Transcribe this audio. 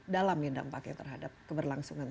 dalam ya dampaknya terhadap keberlangsungan